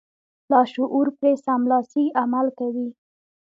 لاشعور پرې سملاسي عمل کوي.